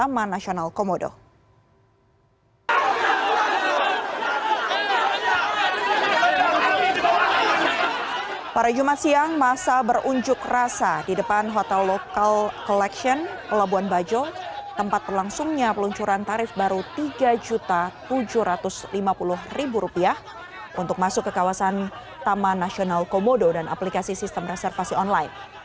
masa berunjuk rasa di depan hotel local collection labuan bajo tempat pelangsungnya peluncuran tarif baru rp tiga tujuh ratus lima puluh untuk masuk ke kawasan taman nasional komodo dan aplikasi sistem reservasi online